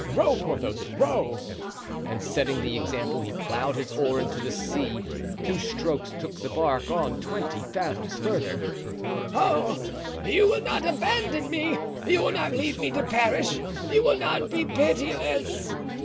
Row, Porthos, row." And setting the example he plowed his oar into the sea; two strokes took the bark on twenty fathoms further. "Oh! you will not abandon me! You will not leave me to perish! You will not be pitiless!"